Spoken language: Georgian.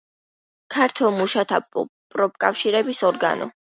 ქართველ მუშათა პროფკავშირების ორგანო.